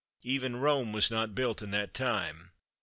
Even Rome was not built in that time.